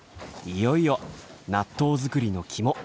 いよいよ納豆作りの肝。